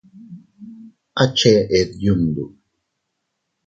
¿A cheʼed yundu?